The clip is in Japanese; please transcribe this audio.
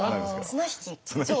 綱引き。